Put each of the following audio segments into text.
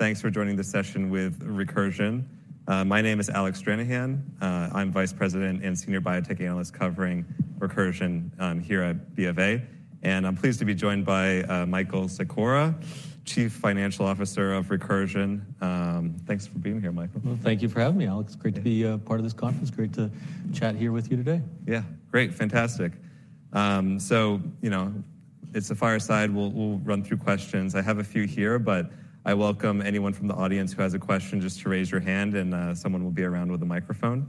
Thanks for joining the session with Recursion. My name is Alec Stranahan. I'm Vice President and Senior Biotech Analyst covering Recursion, here at B of A. I'm pleased to be joined by Michael Secora, Chief Financial Officer of Recursion. Thanks for being here, Michael. Well, thank you for having me, Alec. Great to be part of this conference. Great to chat here with you today. Yeah, great. Fantastic. So, you know, it's a fireside. We'll run through questions. I have a few here, but I welcome anyone from the audience who has a question just to raise your hand, and someone will be around with a microphone.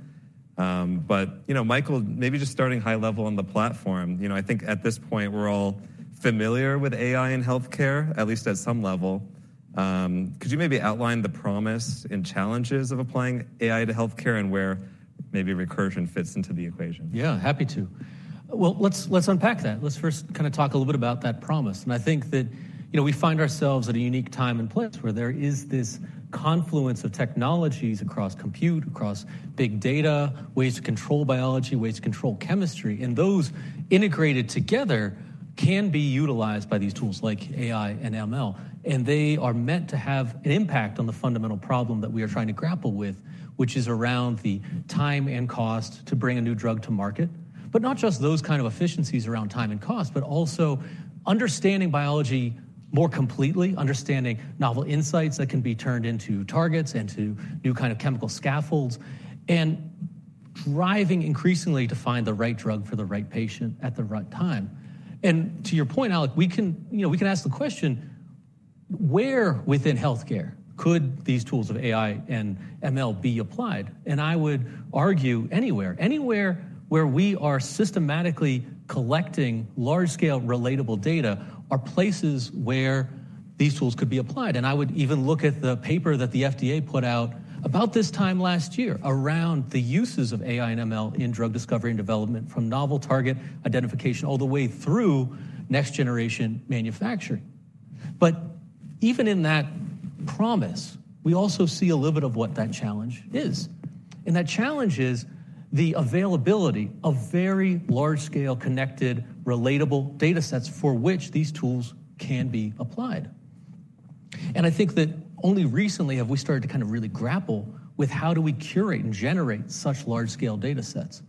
But, you know, Michael, maybe just starting high level on the platform. You know, I think at this point we're all familiar with AI in healthcare, at least at some level. Could you maybe outline the promise and challenges of applying AI to healthcare and where maybe Recursion fits into the equation? Yeah, happy to. Well, let's unpack that. Let's first kind of talk a little bit about that promise. And I think that, you know, we find ourselves at a unique time and place where there is this confluence of technologies across compute, across big data, ways to control biology, ways to control chemistry. And those integrated together can be utilized by these tools like AI and ML. And they are meant to have an impact on the fundamental problem that we are trying to grapple with, which is around the time and cost to bring a new drug to market. But not just those kind of efficiencies around time and cost, but also understanding biology more completely, understanding novel insights that can be turned into targets and to new kind of chemical scaffolds, and driving increasingly to find the right drug for the right patient at the right time. To your point, Alec, we can, you know, we can ask the question, where within healthcare could these tools of AI and ML be applied? I would argue anywhere. Anywhere where we are systematically collecting large-scale relatable data are places where these tools could be applied. I would even look at the paper that the FDA put out about this time last year around the uses of AI and ML in drug discovery and development from novel target identification all the way through next-generation manufacturing. But even in that promise, we also see a little bit of what that challenge is. That challenge is the availability of very large-scale connected relatable data sets for which these tools can be applied. I think that only recently have we started to kind of really grapple with how do we curate and generate such large-scale data sets.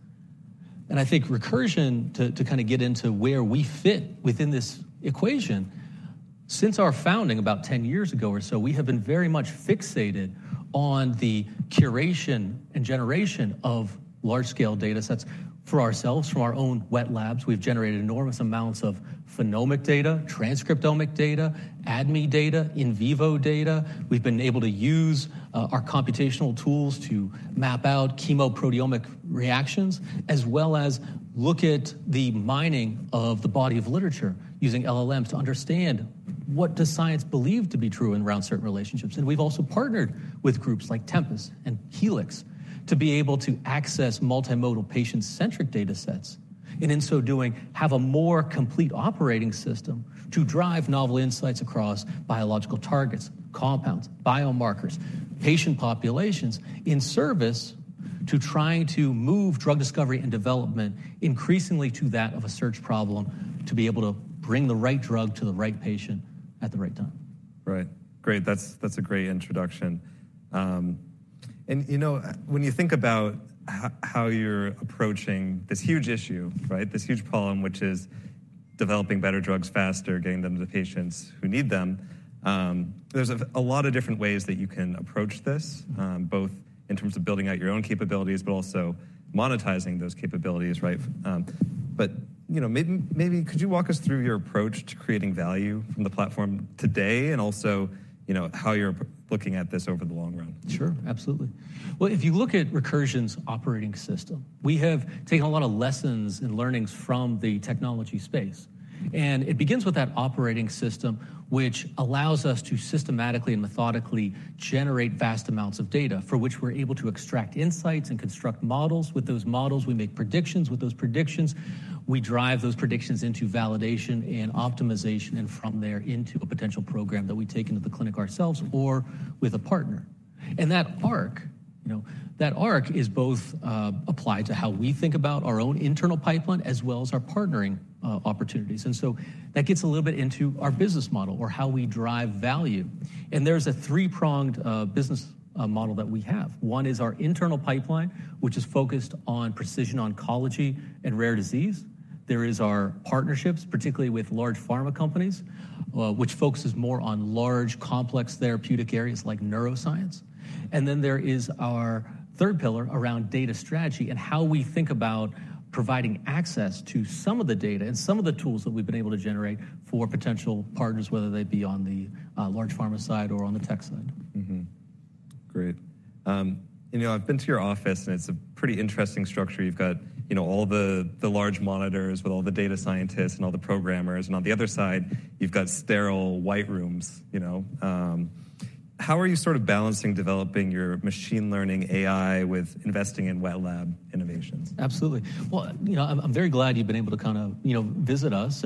I think Recursion, to kind of get into where we fit within this equation, since our founding about 10 years ago or so, we have been very much fixated on the curation and generation of large-scale data sets for ourselves from our own wet labs. We've generated enormous amounts of phenomic data, transcriptomic data, ADME data, in vivo data. We've been able to use our computational tools to map out chemoproteomic reactions, as well as look at the mining of the body of literature using LLMs to understand what does science believe to be true around certain relationships. We've also partnered with groups like Tempus and Helix to be able to access multimodal patient-centric data sets and in so doing have a more complete operating system to drive novel insights across biological targets, compounds, biomarkers, patient populations in service to trying to move drug discovery and development increasingly to that of a search problem to be able to bring the right drug to the right patient at the right time. Right. Great. That's, that's a great introduction. You know, when you think about how you're approaching this huge issue, right, this huge problem, which is developing better drugs faster, getting them to the patients who need them, there's a lot of different ways that you can approach this, both in terms of building out your own capabilities, but also monetizing those capabilities, right? You know, maybe, maybe could you walk us through your approach to creating value from the platform today and also, you know, how you're looking at this over the long run? Sure. Absolutely. Well, if you look at Recursion's operating system, we have taken a lot of lessons and learnings from the technology space. And it begins with that operating system, which allows us to systematically and methodically generate vast amounts of data for which we're able to extract insights and construct models. With those models, we make predictions. With those predictions, we drive those predictions into validation and optimization, and from there into a potential program that we take into the clinic ourselves or with a partner. And that arc, you know, that arc is both applied to how we think about our own internal pipeline as well as our partnering opportunities. And so that gets a little bit into our business model or how we drive value. And there's a three-pronged business model that we have. One is our internal pipeline, which is focused on precision oncology and rare disease. There is our partnerships, particularly with large pharma companies, which focuses more on large, complex therapeutic areas like neuroscience. And then there is our third pillar around data strategy and how we think about providing access to some of the data and some of the tools that we've been able to generate for potential partners, whether they be on the large pharma side or on the tech side. Mm-hmm. Great. You know, I've been to your office, and it's a pretty interesting structure. You've got, you know, all the large monitors with all the data scientists and all the programmers. And on the other side, you've got sterile white rooms, you know? How are you sort of balancing developing your machine learning AI with investing in wet lab innovations? Absolutely. Well, you know, I'm very glad you've been able to kind of, you know, visit us.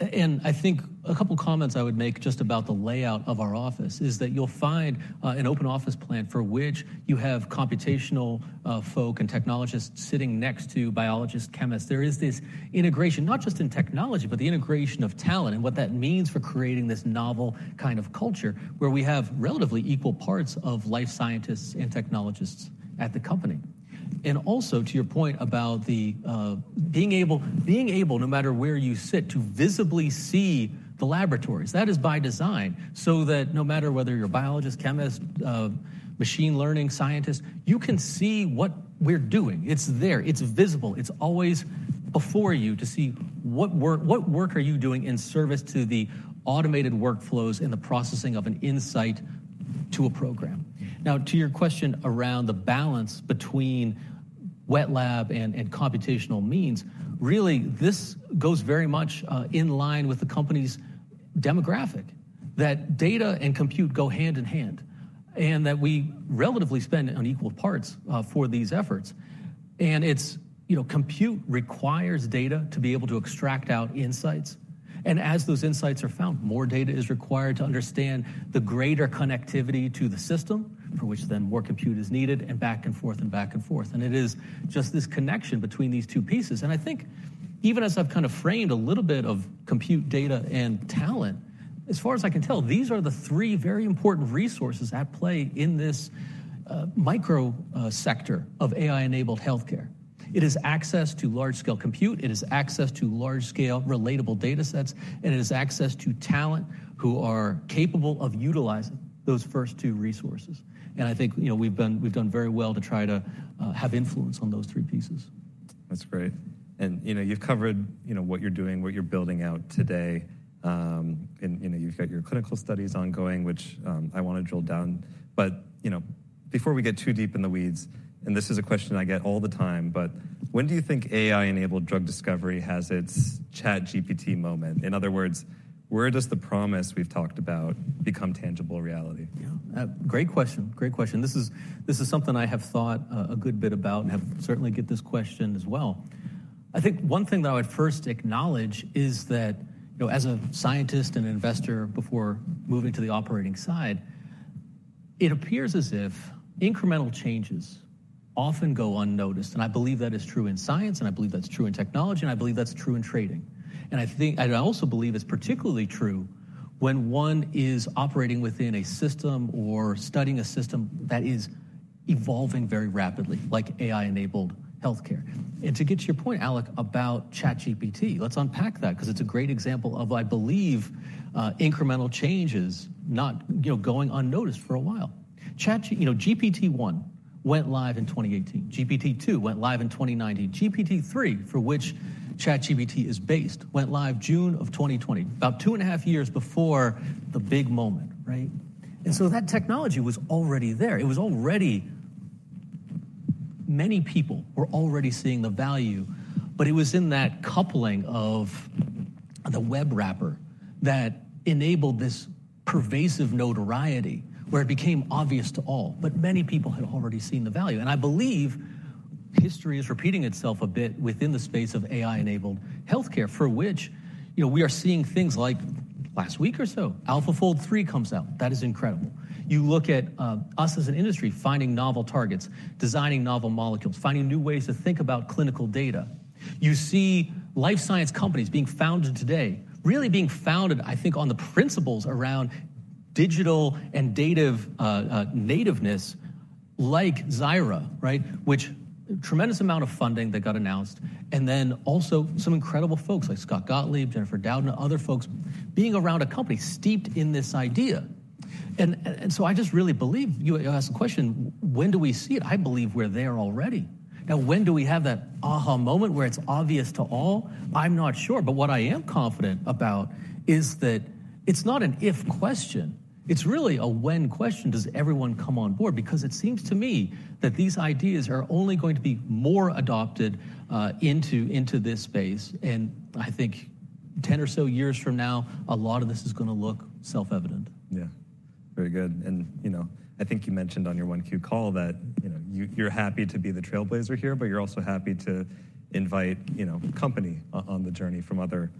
I think a couple of comments I would make just about the layout of our office is that you'll find an open office plan for which you have computational folks and technologists sitting next to biologists, chemists. There is this integration, not just in technology, but the integration of talent and what that means for creating this novel kind of culture where we have relatively equal parts of life scientists and technologists at the company. And also, to your point about the being able, no matter where you sit, to visibly see the laboratories, that is by design so that no matter whether you're a biologist, chemist, machine learning scientist, you can see what we're doing. It's there. It's visible. It's always before you to see what work, what work are you doing in service to the automated workflows and the processing of an insight to a program. Now, to your question around the balance between wet lab and computational means, really, this goes very much in line with the company's demographic, that data and compute go hand in hand, and that we relatively spend on equal parts for these efforts. And it's, you know, compute requires data to be able to extract out insights. And as those insights are found, more data is required to understand the greater connectivity to the system, for which then more compute is needed, and back and forth and back and forth. And it is just this connection between these two pieces. I think even as I've kind of framed a little bit of compute, data, and talent, as far as I can tell, these are the three very important resources at play in this, micro, sector of AI-enabled healthcare. It is access to large-scale compute. It is access to large-scale relatable data sets. And it is access to talent who are capable of utilizing those first two resources. And I think, you know, we've been, we've done very well to try to, have influence on those three pieces. That's great. And, you know, you've covered, you know, what you're doing, what you're building out today. And, you know, you've got your clinical studies ongoing, which, I want to drill down. But, you know, before we get too deep in the weeds, and this is a question I get all the time, but when do you think AI-enabled drug discovery has its ChatGPT moment? In other words, where does the promise we've talked about become tangible reality? Yeah, great question. Great question. This is something I have thought a good bit about and have certainly gotten this question as well. I think one thing that I would first acknowledge is that, you know, as a scientist and an investor before moving to the operating side, it appears as if incremental changes often go unnoticed. I believe that is true in science, and I believe that's true in technology, and I believe that's true in trading. I think, and I also believe it's particularly true when one is operating within a system or studying a system that is evolving very rapidly, like AI-enabled healthcare. To get to your point, Alex, about ChatGPT, let's unpack that because it's a great example of, I believe, incremental changes not, you know, going unnoticed for a while. ChatGPT, you know, GPT-1 went live in 2018. GPT-2 went live in 2019. GPT-3, for which ChatGPT is based, went live June of 2020, about 2.5 years before the big moment, right? And so that technology was already there. It was already many people were already seeing the value. But it was in that coupling of the web wrapper that enabled this pervasive notoriety where it became obvious to all. But many people had already seen the value. And I believe history is repeating itself a bit within the space of AI-enabled healthcare, for which, you know, we are seeing things like last week or so, AlphaFold3 comes out. That is incredible. You look at us as an industry finding novel targets, designing novel molecules, finding new ways to think about clinical data. You see life science companies being founded today, really being founded, I think, on the principles around digital and data nativeness, like Xaira, right, which tremendous amount of funding that got announced, and then also some incredible folks like Scott Gottlieb, Jennifer Doudna, other folks being around a company steeped in this idea. And so I just really believe, you asked the question, when do we see it? I believe we're there already. Now, when do we have that aha moment where it's obvious to all? I'm not sure. But what I am confident about is that it's not an if question. It's really a when question. Does everyone come on board? Because it seems to me that these ideas are only going to be more adopted into this space. And I think 10 or so years from now, a lot of this is going to look self-evident. Yeah. Very good. And, you know, I think you mentioned on your 1Q call that, you know, you're happy to be the trailblazer here, but you're also happy to invite, you know, company on the journey from other,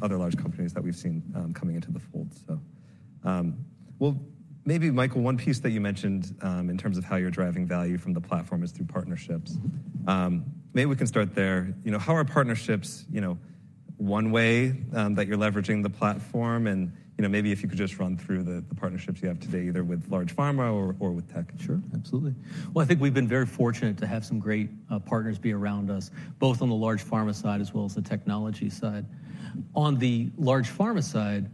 other large companies that we've seen, coming into the fold. So, well, maybe, Michael, one piece that you mentioned, in terms of how you're driving value from the platform is through partnerships. Maybe we can start there. You know, how are partnerships, you know, one way, that you're leveraging the platform? And, you know, maybe if you could just run through the partnerships you have today, either with large pharma or with tech. Sure. Absolutely. Well, I think we've been very fortunate to have some great partners be around us, both on the large pharma side as well as the technology side. On the large pharma side,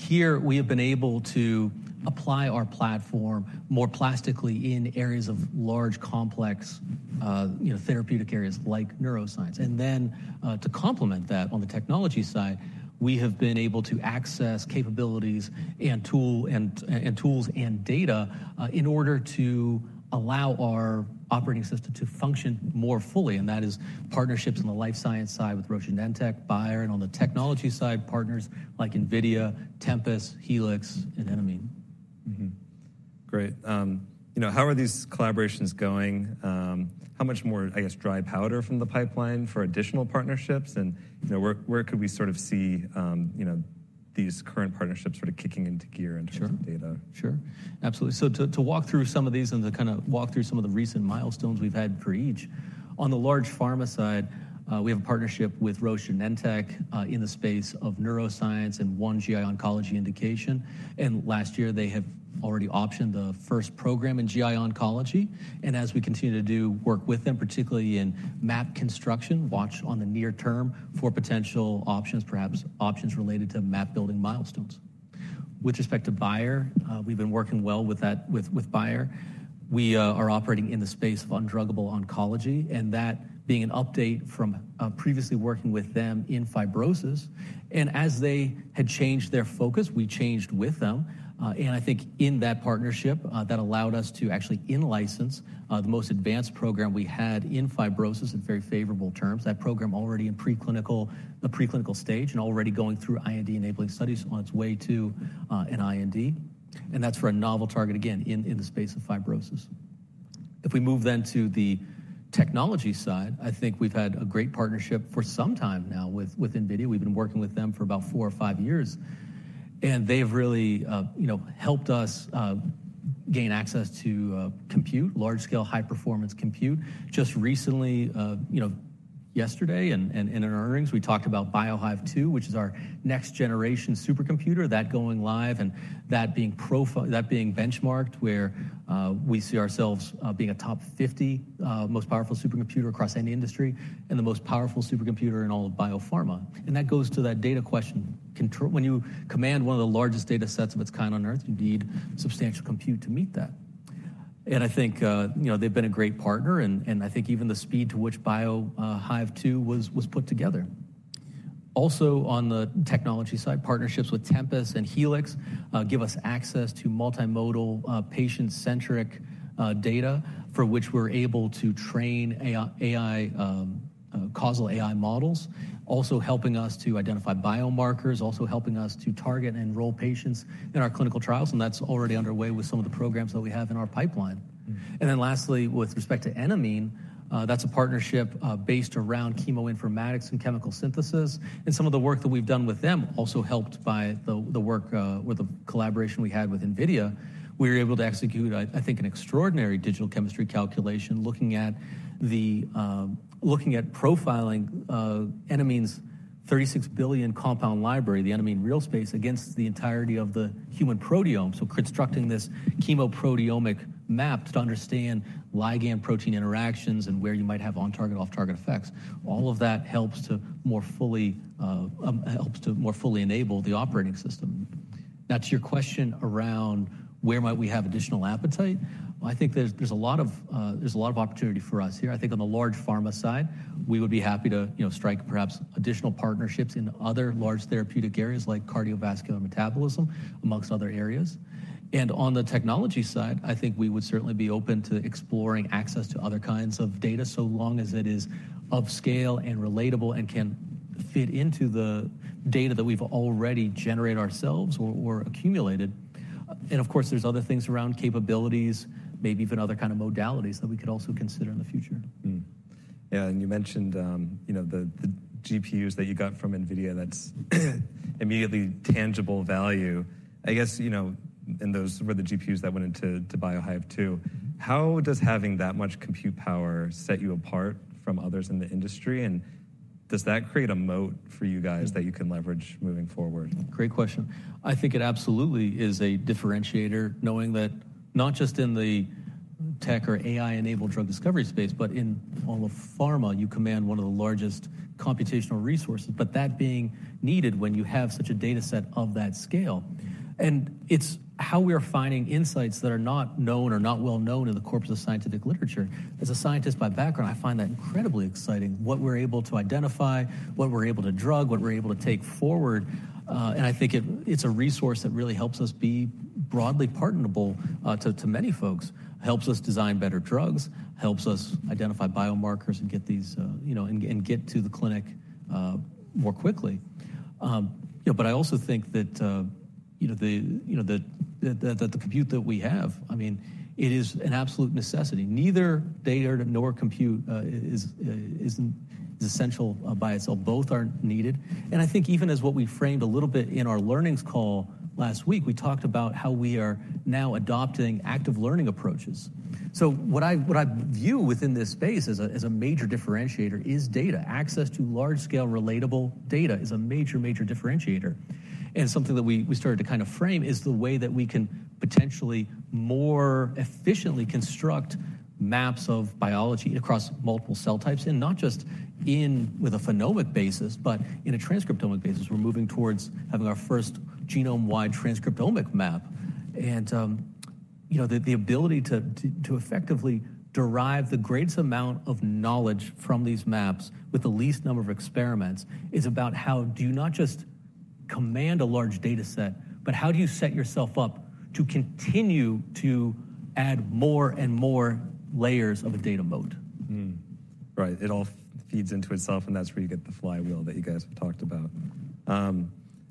here, we have been able to apply our platform more plastically in areas of large, complex, you know, therapeutic areas like neuroscience. And then, to complement that, on the technology side, we have been able to access capabilities and tool and, and tools and data in order to allow our operating system to function more fully. And that is partnerships on the life science side with Genentech, Bayer, and on the technology side, partners like NVIDIA, Tempus, Helix, and Enamine. Mm-hmm. Great. You know, how are these collaborations going? How much more, I guess, dry powder from the pipeline for additional partnerships? And, you know, where, where could we sort of see, you know, these current partnerships sort of kicking into gear in terms of data? Sure. Sure. Absolutely. So to walk through some of these and to kind of walk through some of the recent milestones we've had for each. On the large pharma side, we have a partnership with Genentech, in the space of neuroscience and one GI oncology indication. And last year, they have already optioned the first program in GI oncology. And as we continue to do work with them, particularly in map construction, watch on the near term for potential options, perhaps options related to map-building milestones. With respect to Bayer, we've been working well with Bayer. We are operating in the space of undruggable oncology, and that being an update from previously working with them in fibrosis. And as they had changed their focus, we changed with them. I think in that partnership, that allowed us to actually in-license the most advanced program we had in fibrosis in very favorable terms. That program already in preclinical, the preclinical stage and already going through IND-enabling studies on its way to an IND. That's for a novel target, again, in the space of fibrosis. If we move then to the technology side, I think we've had a great partnership for some time now with NVIDIA. We've been working with them for about four or five years. And they've really, you know, helped us gain access to compute, large-scale, high-performance compute. Just recently, you know, yesterday and in our earnings, we talked about BioHive-2, which is our next-generation supercomputer, that going live and that being profiled, that being benchmarked where we see ourselves being a top 50 most powerful supercomputer across any industry and the most powerful supercomputer in all of biopharma. And that goes to that data question. And when you command one of the largest data sets of its kind on Earth, you need substantial compute to meet that. And I think, you know, they've been a great partner. And I think even the speed with which BioHive-2 was put together. Also on the technology side, partnerships with Tempus and Helix give us access to multimodal, patient-centric data for which we're able to train AI causal AI models, also helping us to identify biomarkers, also helping us to target and enroll patients in our clinical trials. And that's already underway with some of the programs that we have in our pipeline. And then lastly, with respect to Enamine, that's a partnership based around chemoinformatics and chemical synthesis. And some of the work that we've done with them, also helped by the work or the collaboration we had with NVIDIA, we were able to execute, I think, an extraordinary digital chemistry calculation looking at profiling Enamine's 36 billion compound library, the Enamine REAL Space, against the entirety of the human proteome. So constructing this chemoproteomic map to understand ligand-protein interactions and where you might have on-target, off-target effects. All of that helps to more fully, helps to more fully enable the operating system. Now, to your question around where might we have additional appetite, I think there's, there's a lot of, there's a lot of opportunity for us here. I think on the large pharma side, we would be happy to, you know, strike perhaps additional partnerships in other large therapeutic areas like cardiovascular metabolism, among other areas. And on the technology side, I think we would certainly be open to exploring access to other kinds of data so long as it is of scale and relatable and can fit into the data that we've already generated ourselves or, or accumulated. Of course, there's other things around capabilities, maybe even other kind of modalities that we could also consider in the future. Yeah. And you mentioned, you know, the GPUs that you got from NVIDIA. That's immediately tangible value. I guess, you know, those were the GPUs that went into BioHive-2. How does having that much compute power set you apart from others in the industry? And does that create a moat for you guys that you can leverage moving forward? Great question. I think it absolutely is a differentiator, knowing that not just in the tech or AI-enabled drug discovery space, but in all of pharma, you command one of the largest computational resources, but that being needed when you have such a data set of that scale. And it's how we are finding insights that are not known or not well known in the corpus of scientific literature. As a scientist by background, I find that incredibly exciting, what we're able to identify, what we're able to drug, what we're able to take forward. And I think it's a resource that really helps us be broadly partnerable, to many folks, helps us design better drugs, helps us identify biomarkers and get these, you know, and get to the clinic, more quickly. You know, but I also think that, you know, the compute that we have, I mean, it is an absolute necessity. Neither data nor compute is essential by itself. Both are needed. And I think even as what we framed a little bit in our learnings call last week, we talked about how we are now adopting active learning approaches. So what I view within this space as a major differentiator is data. Access to large-scale, relatable data is a major, major differentiator. And something that we started to kind of frame is the way that we can potentially more efficiently construct maps of biology across multiple cell types and not just with a phenomic basis, but in a transcriptomic basis. We're moving towards having our first genome-wide transcriptomic map. You know, the ability to effectively derive the greatest amount of knowledge from these maps with the least number of experiments is about how do you not just command a large data set, but how do you set yourself up to continue to add more and more layers of a data moat? Right. It all feeds into itself. And that's where you get the flywheel that you guys have talked about.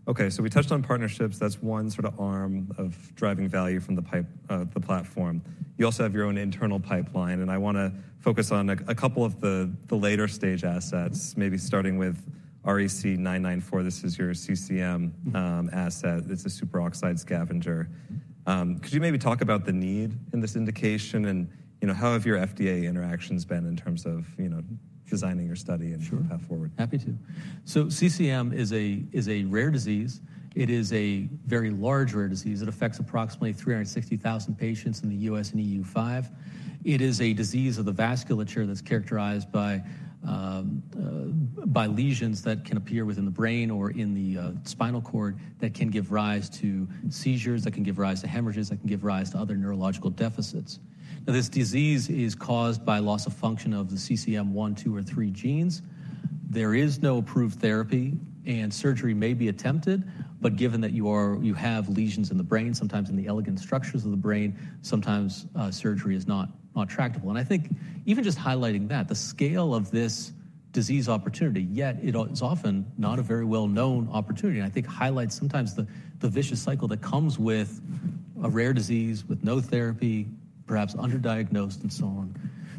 Okay. So we touched on partnerships. That's one sort of arm of driving value from the pipe, the platform. You also have your own internal pipeline. And I want to focus on a, a couple of the, the later stage assets, maybe starting with REC-994. This is your CCM asset. It's a superoxide scavenger. Could you maybe talk about the need in this indication and, you know, how have your FDA interactions been in terms of, you know, designing your study and the path forward? Sure. Happy to. So CCM is a rare disease. It is a very large rare disease. It affects approximately 360,000 patients in the US and EU5. It is a disease of the vasculature that's characterized by lesions that can appear within the brain or in the spinal cord that can give rise to seizures, that can give rise to hemorrhages, that can give rise to other neurological deficits. Now, this disease is caused by loss of function of the CCM 1, 2, or 3 genes. There is no approved therapy. Surgery may be attempted. But given that you have lesions in the brain, sometimes in the elegant structures of the brain, sometimes surgery is not tractable. I think even just highlighting that, the scale of this disease opportunity, yet it is often not a very well-known opportunity. I think highlights sometimes the vicious cycle that comes with a rare disease with no therapy, perhaps underdiagnosed, and so on.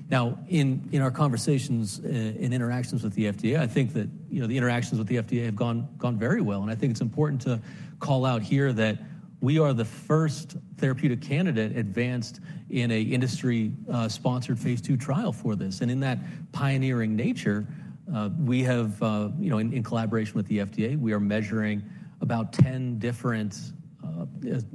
Now, in our conversations in interactions with the FDA, I think that, you know, the interactions with the FDA have gone very well. I think it's important to call out here that we are the first therapeutic candidate advanced in an industry-sponsored phase 2 trial for this. And in that pioneering nature, we have, you know, in collaboration with the FDA, we are measuring about 10 different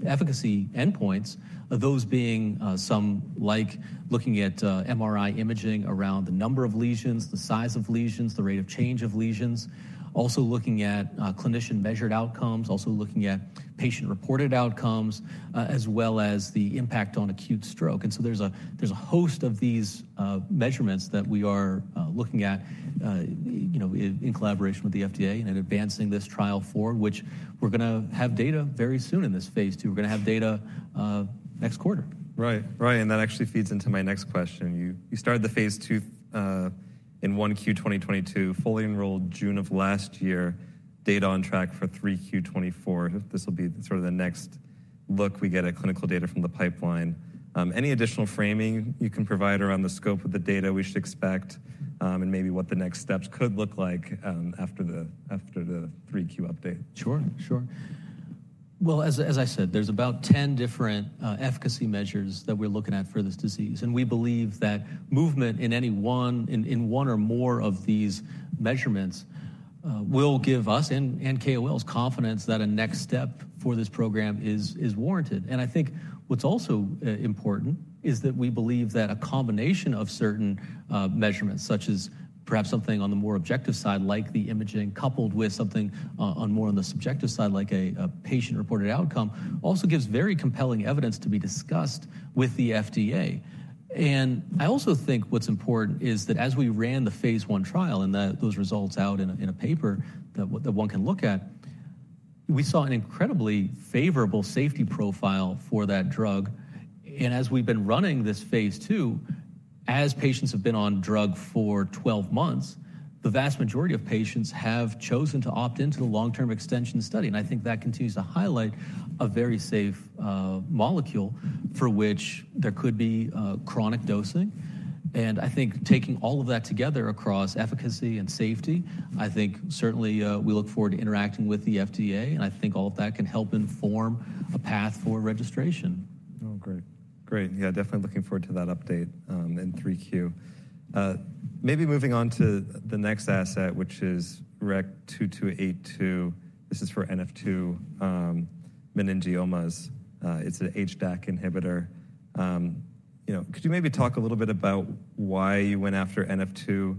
efficacy endpoints, those being some like looking at MRI imaging around the number of lesions, the size of lesions, the rate of change of lesions, also looking at clinician-measured outcomes, also looking at patient-reported outcomes, as well as the impact on acute stroke. And so there's a host of these measurements that we are looking at, you know, in collaboration with the FDA and advancing this trial forward, which we're going to have data very soon in this phase 2. We're going to have data next quarter. Right. Right. And that actually feeds into my next question. You, you started the phase 2, in 1Q 2022, fully enrolled June of last year, data on track for 3Q 2024. This will be sort of the next look we get at clinical data from the pipeline. Any additional framing you can provide around the scope of the data we should expect, and maybe what the next steps could look like, after the, after the 3Q update? Sure. Well, as I said, there's about 10 different efficacy measures that we're looking at for this disease. We believe that movement in any one, in one or more of these measurements, will give us and KOLs' confidence that a next step for this program is warranted. I think what's also important is that we believe that a combination of certain measurements, such as perhaps something on the more objective side, like the imaging, coupled with something on the more subjective side, like a patient-reported outcome, also gives very compelling evidence to be discussed with the FDA. I also think what's important is that as we ran the phase one trial and that those results out in a paper that one can look at, we saw an incredibly favorable safety profile for that drug. As we've been running this phase two, as patients have been on drug for 12 months, the vast majority of patients have chosen to opt into the long-term extension study. I think that continues to highlight a very safe molecule for which there could be chronic dosing. I think taking all of that together across efficacy and safety, I think certainly we look forward to interacting with the FDA. I think all of that can help inform a path for registration. Oh, great. Great. Yeah, definitely looking forward to that update in 3Q. Maybe moving on to the next asset, which is REC-2282. This is for NF2, meningiomas. It's an HDAC inhibitor. You know, could you maybe talk a little bit about why you went after NF2,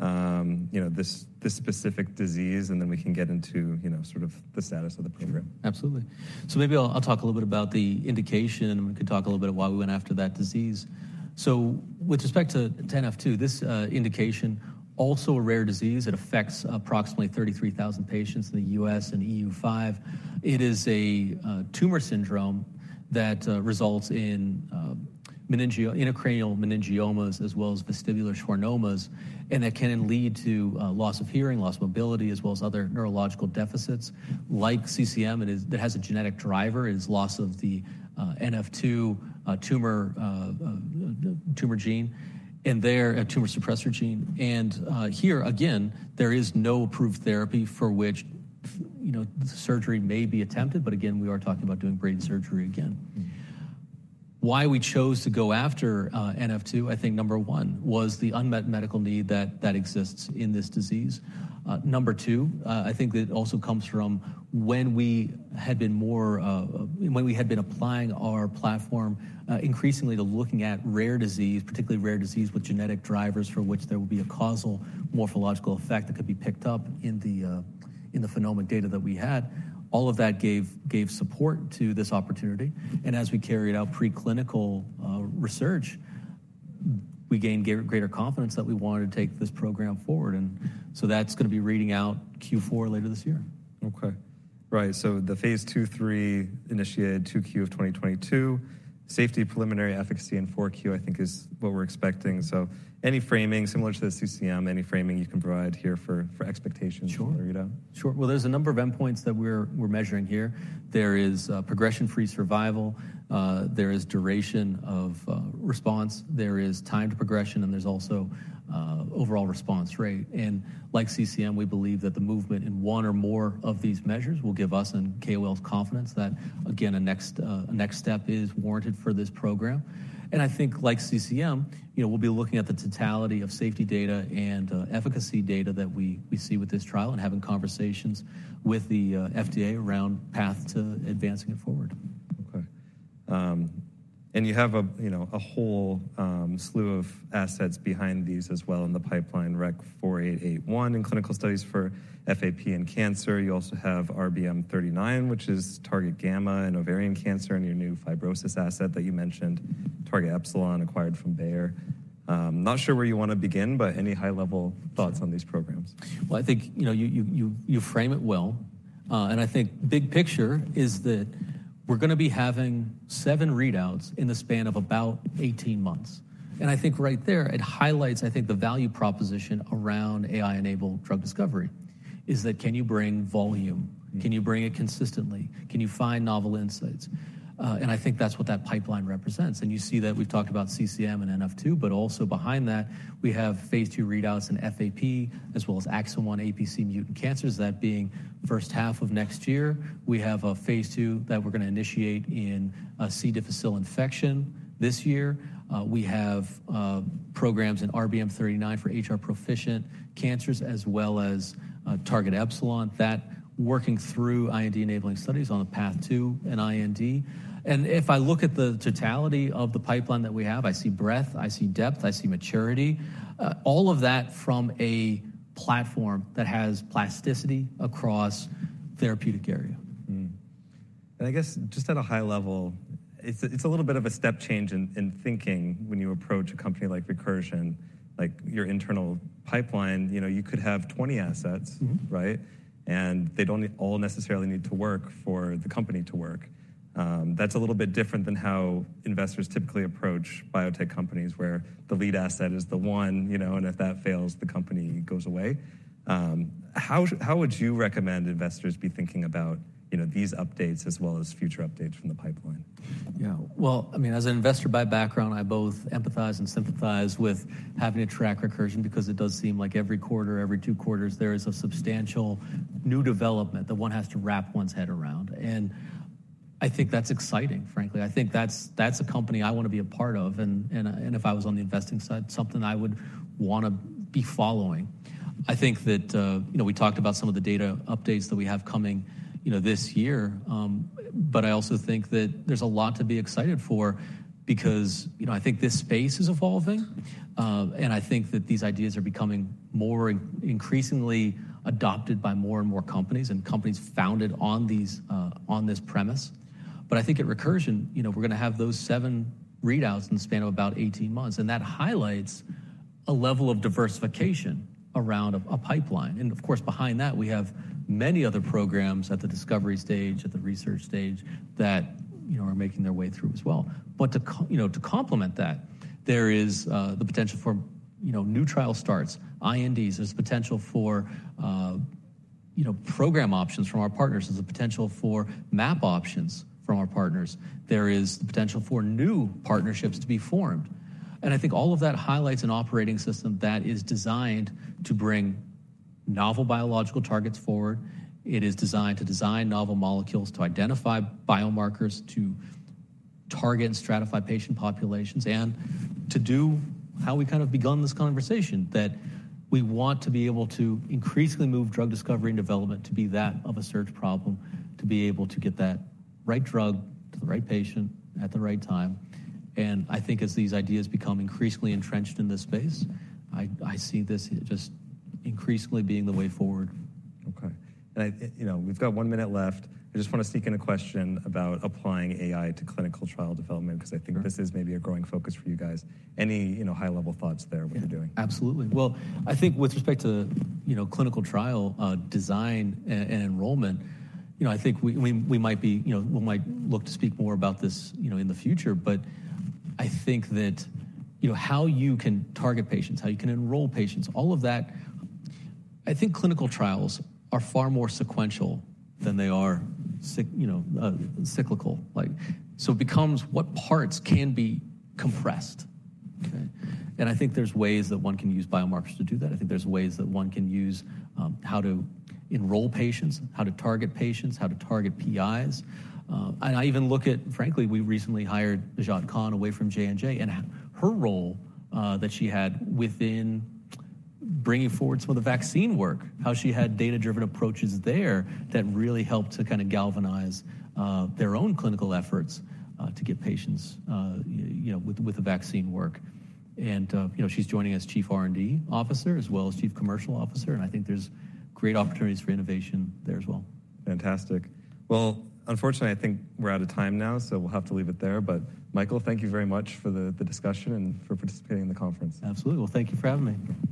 you know, this, this specific disease? And then we can get into, you know, sort of the status of the program. Absolutely. So maybe I'll talk a little bit about the indication. We could talk a little bit of why we went after that disease. With respect to NF2, this indication, also a rare disease, affects approximately 33,000 patients in the U.S. and EU5. It is a tumor syndrome that results in meningiomas, intracranial meningiomas, as well as vestibular schwannomas, and that can then lead to loss of hearing, loss of mobility, as well as other neurological deficits. Like CCM, it too has a genetic driver. It is loss of the NF2 tumor gene, and it's a tumor suppressor gene. Here again, there is no approved therapy for which, you know, surgery may be attempted. But again, we are talking about doing brain surgery again. Why we chose to go after NF2, I think number 1 was the unmet medical need that exists in this disease. Number two, I think that also comes from when we had been applying our platform increasingly to looking at rare disease, particularly rare disease with genetic drivers for which there will be a causal morphological effect that could be picked up in the phenomic data that we had. All of that gave support to this opportunity. And as we carried out preclinical research, we gained greater confidence that we wanted to take this program forward. And so that's going to be reading out Q4 later this year. Okay. Right. So the phase 2/3 initiated 2Q of 2022. Safety preliminary efficacy in 4Q, I think, is what we're expecting. So any framing similar to the CCM, any framing you can provide here for, for expectations to read out? Sure. Sure. Well, there's a number of endpoints that we're measuring here. There is progression-free survival. There is duration of response. There is time to progression. And there's also overall response rate. And like CCM, we believe that the movement in one or more of these measures will give us and KOLs confidence that, again, a next step is warranted for this program. And I think like CCM, you know, we'll be looking at the totality of safety data and efficacy data that we see with this trial and having conversations with the FDA around path to advancing it forward. Okay. You have a, you know, a whole slew of assets behind these as well in the pipeline, REC-4881 in clinical studies for FAP and cancer. You also have RBM39, which is Target Gamma and ovarian cancer and your new fibrosis asset that you mentioned, Target Epsilon acquired from Bayer. Not sure where you want to begin, but any high-level thoughts on these programs? Well, I think, you know, you frame it well. And I think big picture is that we're going to be having seven readouts in the span of about 18 months. And I think right there, it highlights, I think, the value proposition around AI-enabled drug discovery is that can you bring volume? Can you bring it consistently? Can you find novel insights? And I think that's what that pipeline represents. And you see that we've talked about CCM and NF2, but also behind that, we have phase two readouts in FAP, as well as AXIN1 APC mutant cancers. That being first half of next year, we have a phase two that we're going to initiate in a C. difficile infection this year. We have programs in RBM39 for HR-proficient cancers, as well as Target Epsilon. That's working through IND-enabling studies on the path to an IND. If I look at the totality of the pipeline that we have, I see breadth, I see depth, I see maturity, all of that from a platform that has plasticity across therapeutic area. I guess just at a high level, it's a little bit of a step change in thinking when you approach a company like Recursion—like your internal pipeline, you know, you could have 20 assets, right? And they don't all necessarily need to work for the company to work. That's a little bit different than how investors typically approach biotech companies where the lead asset is the one, you know, and if that fails, the company goes away. How would you recommend investors be thinking about, you know, these updates as well as future updates from the pipeline? Yeah. Well, I mean, as an investor by background, I both empathize and sympathize with having to track Recursion because it does seem like every quarter, every two quarters, there is a substantial new development that one has to wrap one's head around. And I think that's exciting, frankly. I think that's, that's a company I want to be a part of. And, and, and if I was on the investing side, something I would want to be following. I think that, you know, we talked about some of the data updates that we have coming, you know, this year. But I also think that there's a lot to be excited for because, you know, I think this space is evolving. And I think that these ideas are becoming more increasingly adopted by more and more companies and companies founded on these, on this premise. But I think at Recursion, you know, we're going to have those seven readouts in the span of about 18 months. And that highlights a level of diversification around a pipeline. And of course, behind that, we have many other programs at the discovery stage, at the research stage that, you know, are making their way through as well. But to, you know, to complement that, there is, the potential for, you know, new trial starts, INDs. There's potential for, you know, program options from our partners. There's a potential for M&A options from our partners. There is the potential for new partnerships to be formed. And I think all of that highlights an operating system that is designed to bring novel biological targets forward. It is designed to design novel molecules, to identify biomarkers, to target and stratify patient populations, and to do how we kind of begun this conversation, that we want to be able to increasingly move drug discovery and development to be that of a search problem, to be able to get that right drug to the right patient at the right time. I think as these ideas become increasingly entrenched in this space, I, I see this just increasingly being the way forward. Okay. I, you know, we've got 1 minute left. I just want to sneak in a question about applying AI to clinical trial development because I think this is maybe a growing focus for you guys. Any, you know, high-level thoughts there what you're doing? Yeah. Absolutely. Well, I think with respect to, you know, clinical trial design and enrollment, you know, I think we might be, you know, we might look to speak more about this, you know, in the future. But I think that, you know, how you can target patients, how you can enroll patients, all of that. I think clinical trials are far more sequential than they are cyclical. Like, so it becomes what parts can be compressed. Okay. And I think there's ways that one can use biomarkers to do that. I think there's ways that one can use, how to enroll patients, how to target patients, how to target PIs. I even look at, frankly, we recently hired Najat Khan away from J&J and her role that she had within bringing forward some of the vaccine work, how she had data-driven approaches there that really helped to kind of galvanize their own clinical efforts to get patients, you know, with the vaccine work. You know, she's joining as Chief R&D Officer as well as Chief Commercial Officer. I think there's great opportunities for innovation there as well. Fantastic. Well, unfortunately, I think we're out of time now, so we'll have to leave it there. But Michael, thank you very much for the discussion and for participating in the conference. Absolutely. Well, thank you for having me.